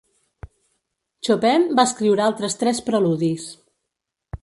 Chopin va escriure altres tres preludis.